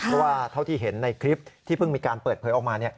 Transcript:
เพราะว่าเท่าที่เห็นในคลิปที่เพิ่งมีการเปิดเผยออกมา